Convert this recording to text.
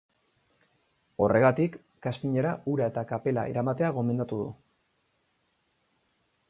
Horregatik, castingera ura eta kapela eramatea gomendatu du.